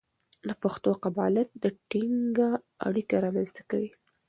د پښتو قبالت د ټینګه اړیکه رامنځته کوي.